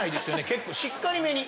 結構しっかりめに。